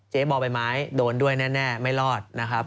บ่อใบไม้โดนด้วยแน่ไม่รอดนะครับ